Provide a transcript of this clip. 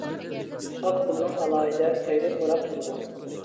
ئاق خۇننىڭ ئالاھىدە غەيرىي پۇراق بولىدۇ.